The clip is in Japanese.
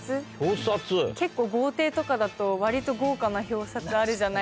結構豪邸とかだと割と豪華な表札あるじゃないですか。